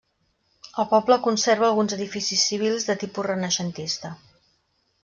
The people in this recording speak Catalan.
El poble conserva alguns edificis civils de tipus renaixentista.